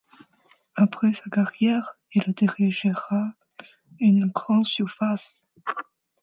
Après sa carrière, il dirigea une grande surface.